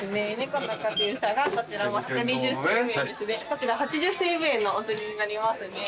こちら８０西武園のお釣りになりますね。